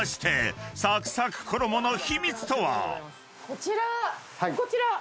こちらこちら？